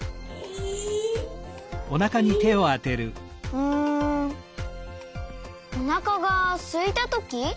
うんおなかがすいたとき？